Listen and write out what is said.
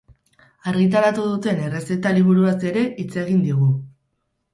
Argitaratu duten errezeta liburuaz ere hitz egin digu.